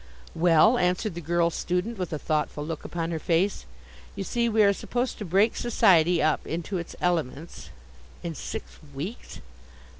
"Well," answered the girl student with a thoughtful look upon her face, "you see, we are supposed to break society up into its elements." "In six weeks?"